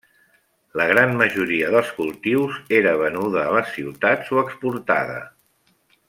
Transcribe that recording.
La gran majoria dels cultius era venuda a les ciutats o exportada.